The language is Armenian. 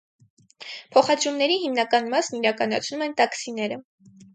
Փոխադրումների հիմնական մասն իրականացնում են տաքսիները։